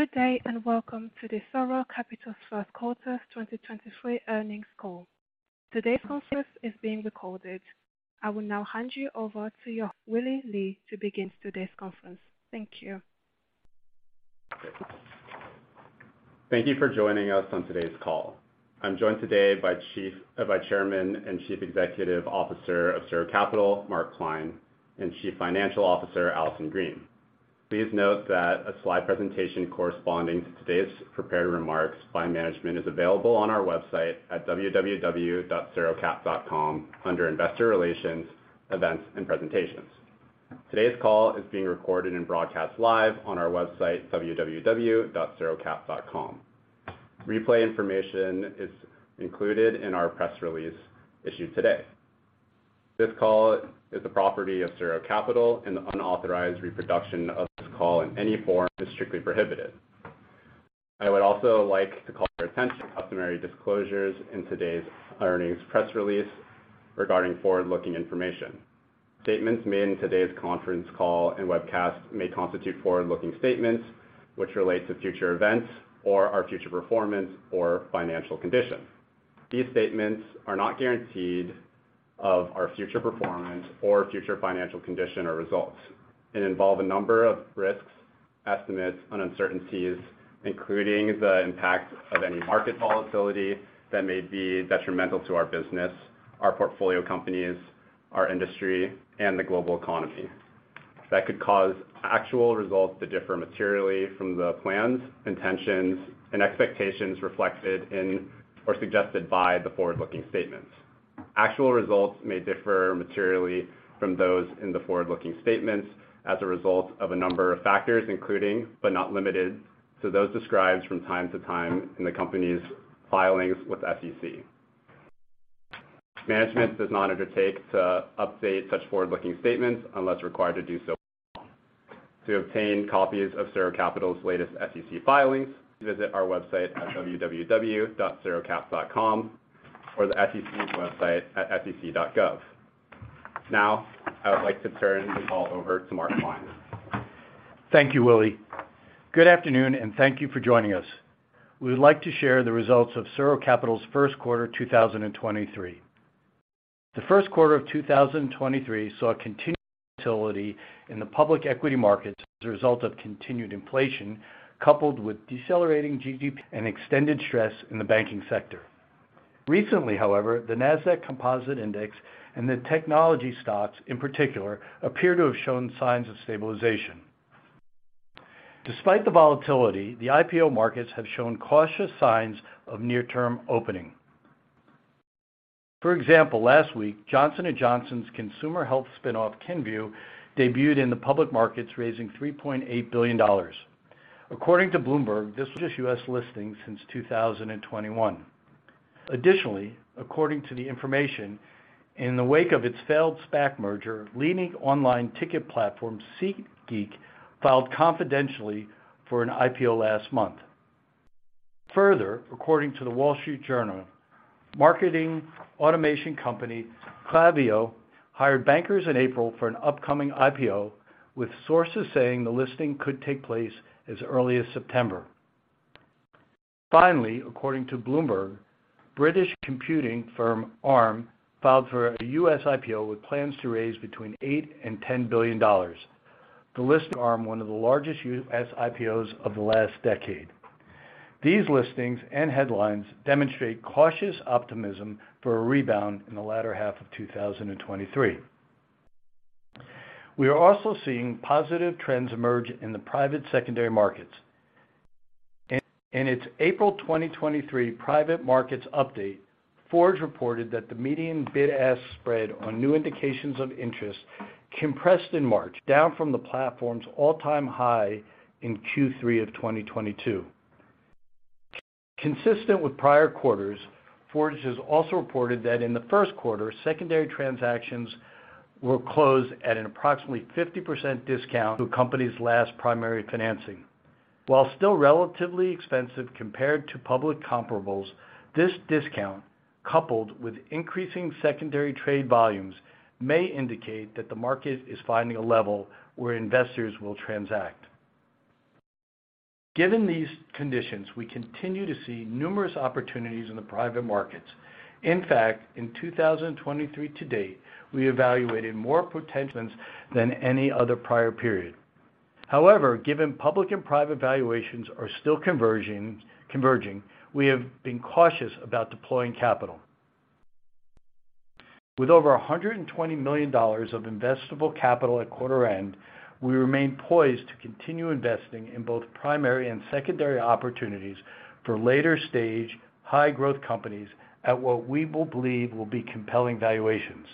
Good day. Welcome to the SuRo Capital First Quarter 2023 earnings call. Today's conference is being recorded. I will now hand you over to Willy Lee to begin today's conference. Thank you. Thank you for joining us on today's call. I'm joined today by Chairman and Chief Executive Officer of SuRo Capital, Mark Klein, and Chief Financial Officer, Allison Green. Please note that a slide presentation corresponding to today's prepared remarks by management is available on our website at www.surocap.com under Investor Relations, Events and Presentations. Today's call is being recorded and broadcast live on our website, www.surocap.com. Replay information is included in our press release issued today. This call is the property of SuRo Capital. The unauthorized reproduction of this call in any form is strictly prohibited. I would also like to call your attention to customary disclosures in today's earnings press release regarding forward-looking information. Statements made in today's conference call and webcast may constitute forward-looking statements which relate to future events or our future performance or financial condition. These statements are not guaranteed of our future performance or future financial condition or results, and involve a number of risks, estimates and uncertainties, including the impact of any market volatility that may be detrimental to our business, our portfolio companies, our industry, and the global economy. That could cause actual results to differ materially from the plans, intentions, and expectations reflected in or suggested by the forward-looking statements. Actual results may differ materially from those in the forward-looking statements as a result of a number of factors, including, but not limited to those described from time to time in the company's filings with the SEC. Management does not undertake to update such forward-looking statements unless required to do so by law. To obtain copies of SuRo Capital's latest SEC filings, visit our website at www.surocap.com or the SEC's website at sec.gov. I would like to turn the call over to Mark Klein. Thank you, Willy. Good afternoon, and thank you for joining us. We would like to share the results of SuRo Capital's first quarter 2023. The first quarter of 2023 saw continued volatility in the public equity markets as a result of continued inflation, coupled with decelerating GDP and extended stress in the banking sector. Recently, however, the Nasdaq Composite Index and the technology stocks in particular appear to have shown signs of stabilization. Despite the volatility, the IPO markets have shown cautious signs of near-term opening. For example, last week, Johnson & Johnson's consumer health spin-off, Kenvue, debuted in the public markets, raising $3.8 billion. According to Bloomberg, this is just a U.S. listing since 2021. According to The Information, in the wake of its failed SPAC merger, leading online ticket platform SeatGeek filed confidentially for an IPO last month. According to The Wall Street Journal, marketing automation company Klaviyo hired bankers in April for an upcoming IPO, with sources saying the listing could take place as early as September. According to Bloomberg, British computing firm Arm filed for a U.S. IPO with plans to raise between $8 billion-$10 billion. The list Arm one of the largest U.S. IPOs of the last decade. These listings and headlines demonstrate cautious optimism for a rebound in the latter half of 2023. We are also seeing positive trends emerge in the private secondary markets. In its April 2023 private markets update, Forge reported that the median bid-ask spread on new indications of interest compressed in March, down from the platform's all-time high in Q3 of 2022. Consistent with prior quarters, Forge has also reported that in the first quarter, secondary transactions will close at an approximately 50% discount to a company's last primary financing. While still relatively expensive compared to public comparables, this discount, coupled with increasing secondary trade volumes, may indicate that the market is finding a level where investors will transact. Given these conditions, we continue to see numerous opportunities in the private markets. In fact, in 2023 to date, we evaluated more potential than any other prior period. Given public and private valuations are still converging, we have been cautious about deploying capital. With over $120 million of investable capital at quarter end, we remain poised to continue investing in both primary and secondary opportunities for late-stage, high-growth companies at what we believe will be compelling valuations.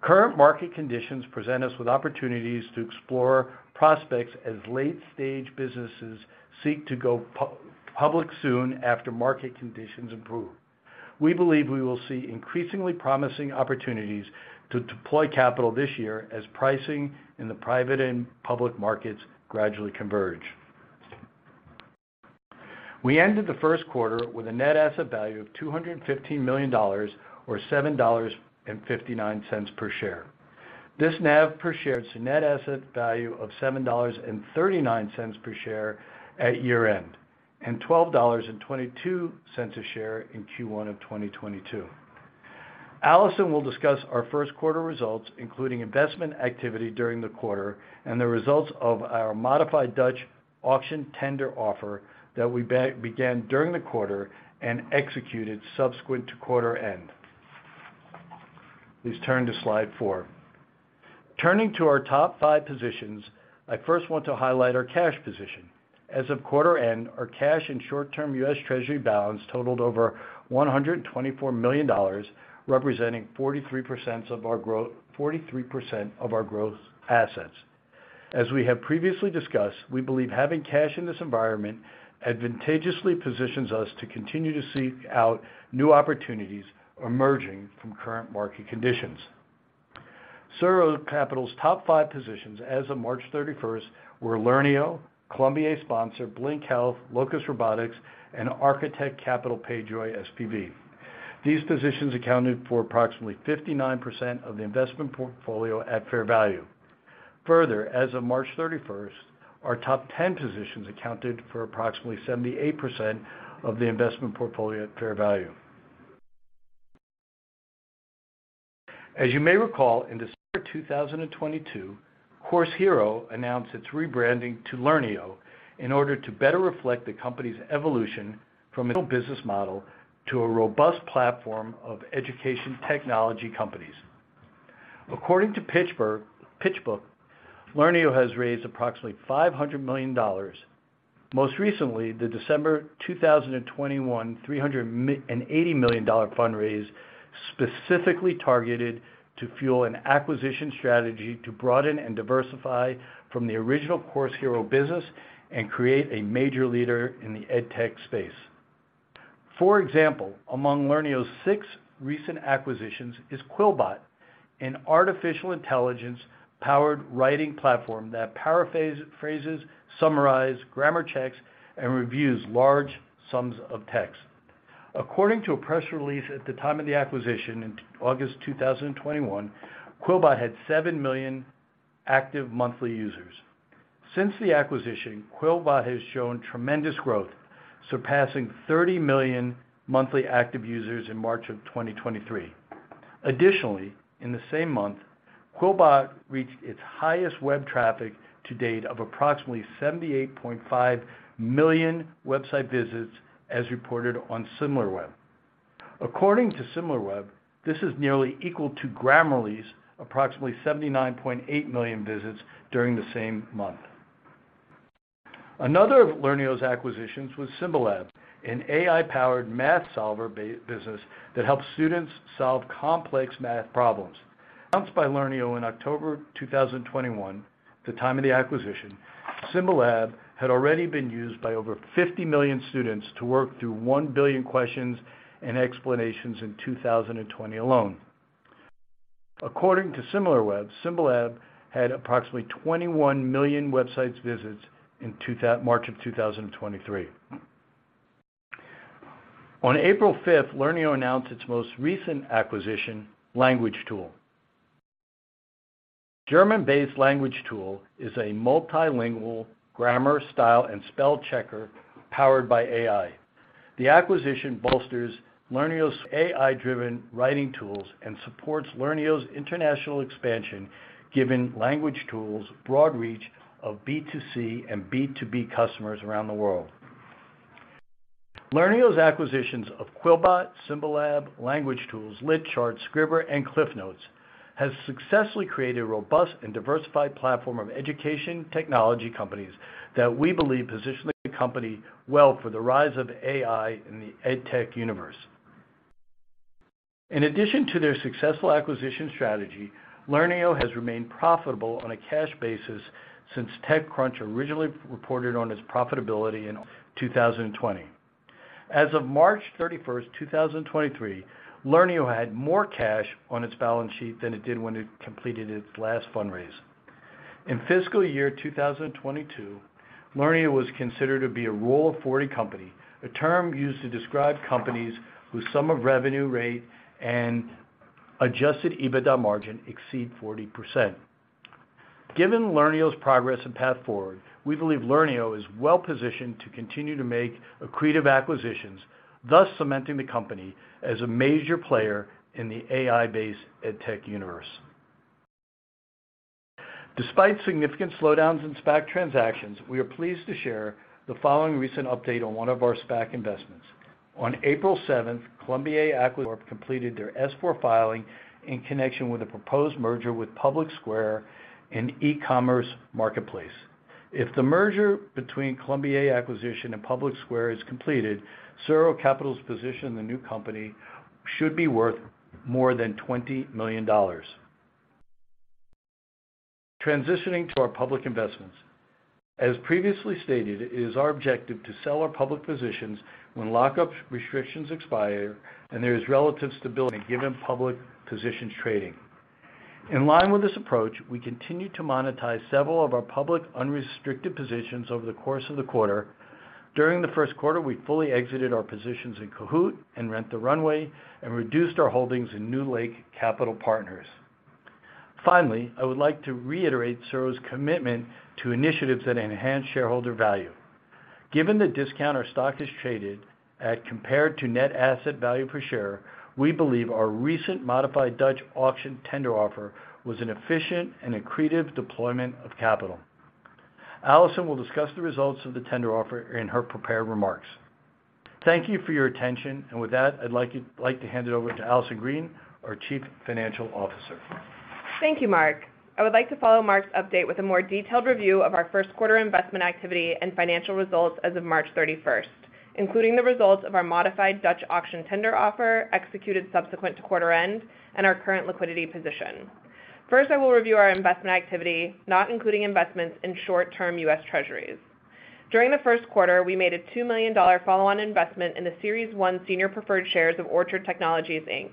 Current market conditions present us with opportunities to explore prospects as late-stage businesses seek to go public soon after market conditions improve. We believe we will see increasingly promising opportunities to deploy capital this year as pricing in the private and public markets gradually converge. We ended the first quarter with a net asset value of $215 million or $7.59 per share. This NAV per share to net asset value of $7.39 per share at year-end, and $12.22 a share in Q1 of 2022. Allison will discuss our first quarter results, including investment activity during the quarter and the results of our Modified Dutch Auction Tender Offer that we began during the quarter and executed subsequent to quarter end. Please turn to slide four. Turning to our top five positions, I first want to highlight our cash position. As of quarter end, our cash and short-term U.S. Treasuries balance totaled over $124 million, representing 43% of our growth assets. As we have previously discussed, we believe having cash in this environment advantageously positions us to continue to seek out new opportunities emerging from current market conditions. SuRo Capital's top five positions as of March 31st were Learneo, Colombier Sponsor, Blink Health, Locus Robotics, and Architect Capital PayJoy SPV. These positions accounted for approximately 59% of the investment portfolio at fair value. Further, as of March 31st, our top 10 positions accounted for approximately 78% of the investment portfolio at fair value. As you may recall, in December 2022, Course Hero announced its rebranding to Learneo in order to better reflect the company's evolution from a business model to a robust platform of education technology companies. According to PitchBook, Learneo has raised approximately $500 million. Most recently, the December 2021, $380 million fundraise specifically targeted to fuel an acquisition strategy to broaden and diversify from the original Course Hero business and create a major leader in the ed tech space. For example, among Learneo's six recent acquisitions is QuillBot, an artificial intelligence-powered writing platform that paraphrases, summarizes, grammar checks, and reviews large sums of text. According to a press release at the time of the acquisition in August 2021, QuillBot had 7 million active monthly users. Since the acquisition, QuillBot has shown tremendous growth, surpassing 30 million monthly active users in March of 2023. In the same month, QuillBot reached its highest web traffic to date of approximately 78.5 million website visits as reported on Similarweb. According to Similarweb, this is nearly equal to Grammarly's approximately 79.8 million visits during the same month. Another of Learneo's acquisitions was Symbolab, an AI-powered math solver business that helps students solve complex math problems. Announced by Learneo in October 2021, the time of the acquisition, Symbolab had already been used by over 50 million students to work through 1 billion questions and explanations in 2020 alone. According to Similarweb, Symbolab had approximately 21 million websites visits in March 2023. On April 5th, Learneo announced its most recent acquisition, LanguageTool. German-based LanguageTool is a multilingual grammar, style, and spell checker powered by AI. The acquisition bolsters Learneo's AI-driven writing tools and supports Learneo's international expansion, given LanguageTool's broad reach of B2C and B2B customers around the world. Learneo's acquisitions of QuillBot, Symbolab, LanguageTool, LitCharts, Scribbr, and CliffsNotes has successfully created a robust and diversified platform of education technology companies that we believe positions the company well for the rise of AI in the EdTech universe. In addition to their successful acquisition strategy, Learneo has remained profitable on a cash basis since TechCrunch originally reported on its profitability in 2020. As of March 31st, 2023, Learneo had more cash on its balance sheet than it did when it completed its last fundraise. In fiscal year 2022, Learneo was considered to be a Rule of 40 company, a term used to describe companies whose sum of revenue rate and adjusted EBITDA margin exceed 40%. Given Learneo's progress and path forward, we believe Learneo is well-positioned to continue to make accretive acquisitions, thus cementing the company as a major player in the AI-based ed tech universe. Despite significant slowdowns in SPAC transactions, we are pleased to share the following recent update on one of our SPAC investments. On April 7th, Colombier Acquisition Corp. completed their S-4 filing in connection with a proposed merger with PublicSq. and E-Commerce Marketplace. If the merger between Colombier Acquisition Corp. and PublicSq. is completed, SuRo Capital's position in the new company should be worth more than $20 million. Transitioning to our public investments. As previously stated, it is our objective to sell our public positions when lockup restrictions expire and there is relative stability given public positions trading. In line with this approach, we continued to monetize several of our public unrestricted positions over the course of the first quarter. During the first quarter, we fully exited our positions in Kahoot! and Rent the Runway, and reduced our holdings in NewLake Capital Partners. Finally, I would like to reiterate SuRo's commitment to initiatives that enhance shareholder value. Given the discount our stock has traded at compared to net asset value per share, we believe our recent Modified Dutch Auction Tender Offer was an efficient and accretive deployment of capital. Allison will discuss the results of the tender offer in her prepared remarks. Thank you for your attention. With that, I'd like to hand it over to Allison Green, our Chief Financial Officer. Thank you, Mark. I would like to follow Mark's update with a more detailed review of our first quarter investment activity and financial results as of March 31st, including the results of our Modified Dutch Auction Tender Offer executed subsequent to quarter-end and our current liquidity position. First, I will review our investment activity, not including investments in short-term U.S. Treasuries. During the first quarter, we made a $2 million follow-on investment in the Series 1 senior preferred shares of Orchard Technologies, Inc.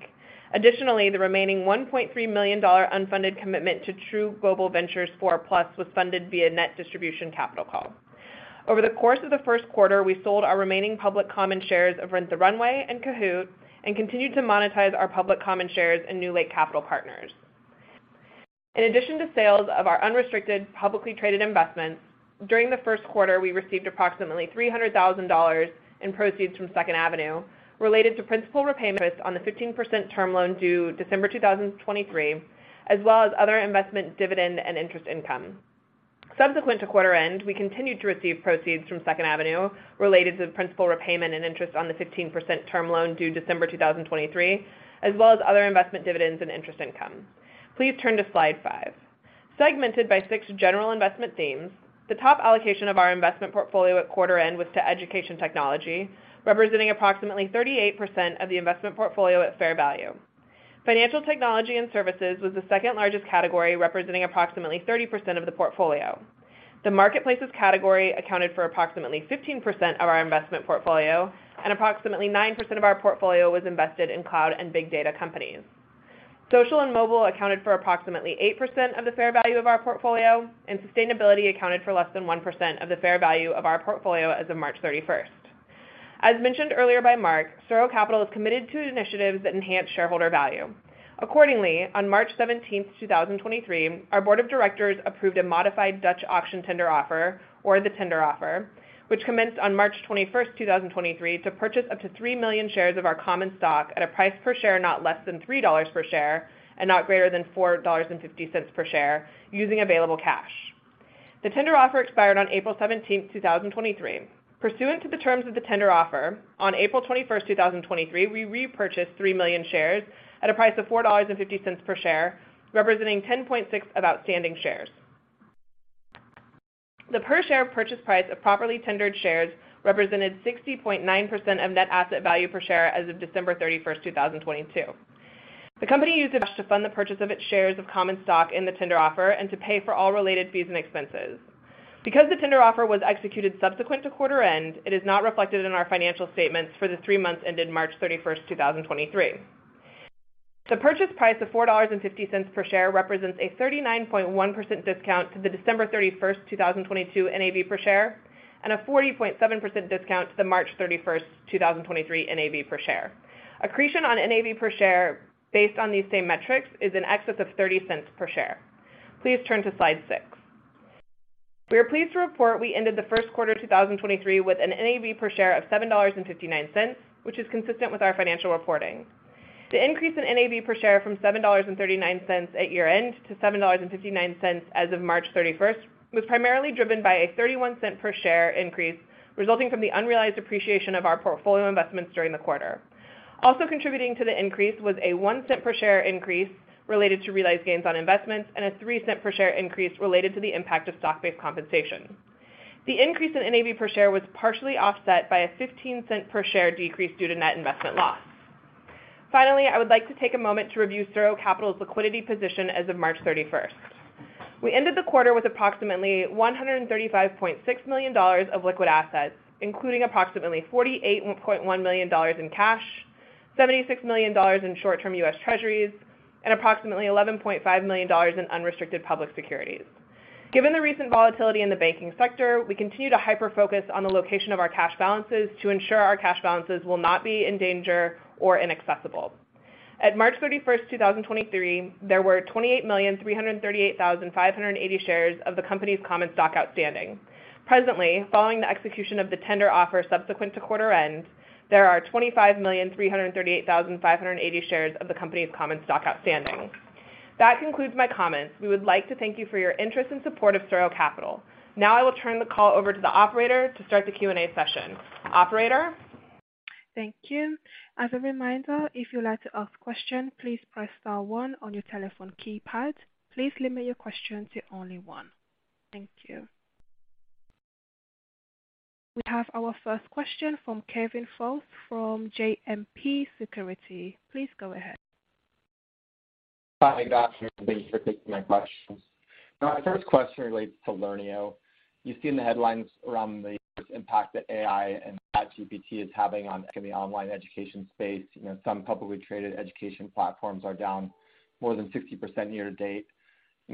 Additionally, the remaining $1.3 million unfunded commitment to True Global Ventures 4 Plus was funded via net distribution capital call. Over the course of the first quarter, we sold our remaining public common shares of Rent the Runway and Kahoot!, and continued to monetize our public common shares in NewLake Capital Partners. In addition to sales of our unrestricted publicly traded investments, during the first quarter, we received approximately $300,000 in proceeds from Second Avenue related to principal repayments on the 15% term loan due December 2023, as well as other investment dividend and interest income. Subsequent to quarter end, we continued to receive proceeds from Second Avenue related to the principal repayment and interest on the 15% term loan due December 2023, as well as other investment dividends and interest income. Please turn to slide five. Segmented by six general investment themes, the top allocation of our investment portfolio at quarter end was to education technology, representing approximately 38% of the investment portfolio at fair value. Financial technology and services was the second largest category, representing approximately 30% of the portfolio. The marketplaces category accounted for approximately 15% of our investment portfolio, and approximately 9% of our portfolio was invested in cloud and big data companies. Social and Mobile accounted for approximately 8% of the fair value of our portfolio, and sustainability accounted for less than 1% of the fair value of our portfolio as of March 31st. As mentioned earlier by Mark, SuRo Capital is committed to initiatives that enhance shareholder value. Accordingly, on March 17th, 2023, our board of directors approved a Modified Dutch Auction Tender Offer, or the tender offer, which commenced on March 21st, 2023, to purchase up to 3 million shares of our common stock at a price per share not less than $3 per share and not greater than $4.50 per share, using available cash. The tender offer expired on April 17th, 2023. Pursuant to the terms of the tender offer, on April 21st, 2023, we repurchased 3 million shares at a price of $4.50 per share, representing 10.6% of outstanding shares. The per share purchase price of properly tendered shares represented 60.9% of net asset value per share as of December 31st, 2022. The company used to fund the purchase of its shares of common stock in the tender offer and to pay for all related fees and expenses. Because the tender offer was executed subsequent to quarter end, it is not reflected in our financial statements for the three months ended March 31st, 2023. The purchase price of $4.50 per share represents a 39.1% discount to the December 31st, 2022 NAV per share and a 40.7% discount to the March 31st, 2023 NAV per share. Accretion on NAV per share based on these same metrics is in excess of $0.30 per share. Please turn to slide six. We are pleased to report we ended the first quarter 2023 with an NAV per share of $7.59, which is consistent with our financial reporting. The increase in NAV per share from $7.39 at year-end to $7.59 as of March 31st, was primarily driven by a $0.31 per share increase resulting from the unrealized appreciation of our portfolio investments during the quarter. Also contributing to the increase was a $0.01 per share increase related to realized gains on investments and a $0.03 per share increase related to the impact of stock-based compensation. The increase in NAV per share was partially offset by a $0.15 per share decrease due to net investment loss. Finally, I would like to take a moment to review SuRo Capital's liquidity position as of March 31st. We ended the quarter with approximately $135.6 million of liquid assets, including approximately $48.1 million in cash, $76 million in short-term U.S. Treasuries, and approximately $11.5 million in unrestricted public securities. Given the recent volatility in the banking sector, we continue to hyper-focus on the location of our cash balances to ensure our cash balances will not be in danger or inaccessible. At March 31, 2023, there were 28,338,580 shares of the company's common stock outstanding. Presently, following the execution of the tender offer subsequent to quarter-end, there are 25,338,580 shares of the company's common stock outstanding. That concludes my comments. We would like to thank you for your interest and support of SuRo Capital. Now I will turn the call over to the operator to start the Q&A session. Operator? Thank you. As a reminder, if you would like to ask question, please press star one on your telephone keypad. Please limit your question to only one. Thank you. We have our first question from Kevin Fultz from JMP Securities. Please go ahead. Hi, thanks for taking my questions. My first question relates to Learneo. You've seen the headlines around the impact that AI and ChatGPT is having on the online education space. You know, some publicly traded education platforms are down more than 60% year to date.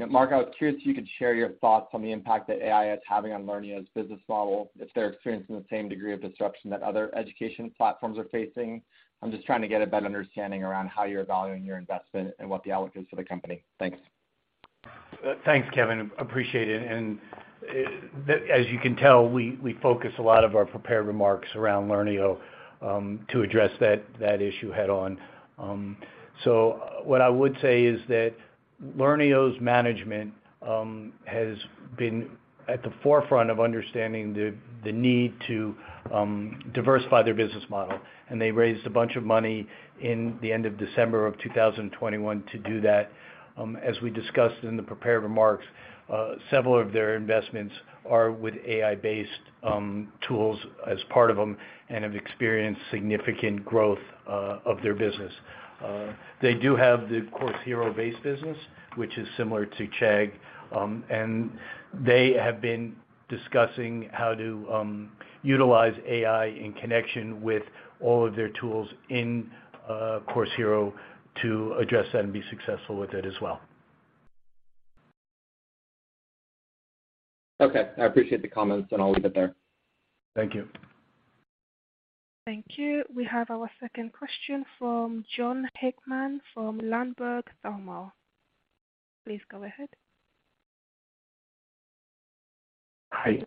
You know, Mark, I was curious if you could share your thoughts on the impact that AI is having on Learneo's business model, if they're experiencing the same degree of disruption that other education platforms are facing. I'm just trying to get a better understanding around how you're valuing your investment and what the outlook is for the company. Thanks. Thanks, Kevin. Appreciate it. As you can tell, we focus a lot of our prepared remarks around Learneo to address that issue head on. What I would say is that Learneo's management has been at the forefront of understanding the need to diversify their business model. They raised a bunch of money in the end of December of 2021 to do that. As we discussed in the prepared remarks, several of their investments are with AI-based tools as part of them and have experienced significant growth of their business. They do have the Course Hero-based business, which is similar to Chegg, and they have been discussing how to utilize AI in connection with all of their tools in Course Hero to address that and be successful with it as well. Okay. I appreciate the comments, and I'll leave it there. Thank you. Thank you. We have our second question from Jon Hickman from Ladenburg Thalmann. Please go ahead. Hi.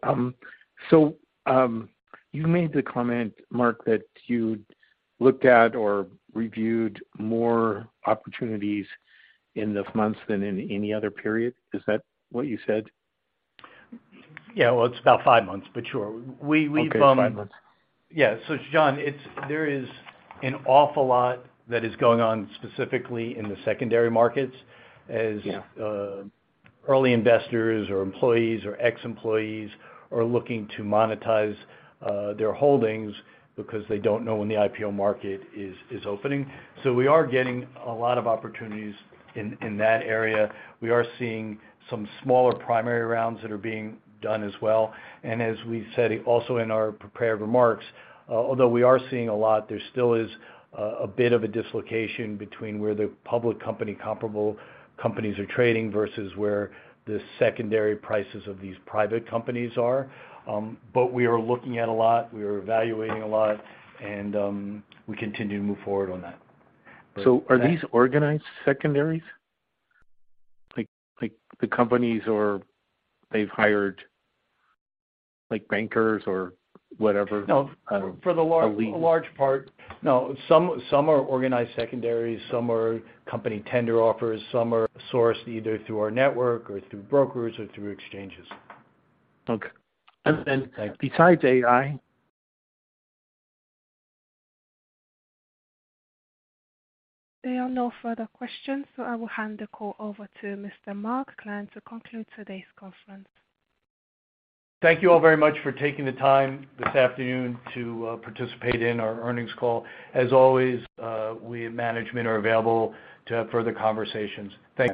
You made the comment, Mark, that you looked at or reviewed more opportunities in these months than in any other period. Is that what you said? well, it's about five months, but sure. We Okay. Five months. Yeah. Jon, there is an awful lot that is going on specifically in the secondary markets. Yeah. early investors or employees or ex-employees are looking to monetize their holdings because they don't know when the IPO market is opening. We are getting a lot of opportunities in that area. We are seeing some smaller primary rounds that are being done as well. As we said also in our prepared remarks, although we are seeing a lot, there still is a bit of a dislocation between where the public company comparable companies are trading versus where the secondary prices of these private companies are. We are looking at a lot, we are evaluating a lot, and we continue to move forward on that. are these organized secondaries? Like, the companies or they've hired, like, bankers or whatever? No. A lead. For the large part. No. Some are organized secondaries, some are company tender offers, some are sourced either through our network or through brokers or through exchanges. Okay. Besides AI. There are no further questions, so I will hand the call over to Mr. Mark Klein to conclude today's conference. Thank you all very much for taking the time this afternoon to participate in our earnings call. As always, we management are available to have further conversations. Thank you.